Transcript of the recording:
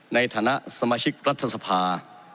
ในฐานะสมาชิกรัฐสภา